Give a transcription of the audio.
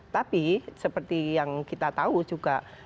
tapi seperti yang kita tahu juga